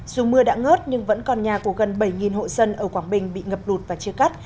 dù mưa đã ngớt nhưng vẫn còn nhà của gần bảy hộ dân ở quảng bình bị ngập lụt và chia cắt